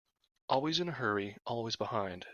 Always in a hurry, always behind.